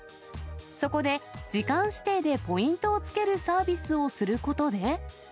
そこで、時間指定でポイントを付けるサービスをすることで。